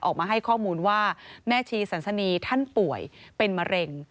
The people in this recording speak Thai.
ออกมาให้ข้อมูลว่าแม่ชีสันสนีท่านป่วยเป็นมะเร็ง